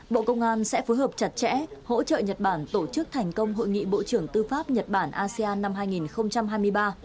bộ công an sẽ phối hợp chặt chẽ hỗ trợ nhật bản tổ chức thành công hội nghị bộ trưởng tư pháp nhật bản asean năm hai nghìn hai mươi ba